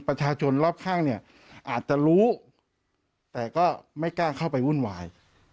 ประชาชนรอบข้างเนี่ยอาจจะรู้แต่ก็ไม่กล้าเข้าไปวุ่นวาย